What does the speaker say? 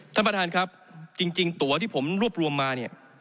ท่านประธานครับจริงตัวที่ผมรวบรวมมาเนี่ย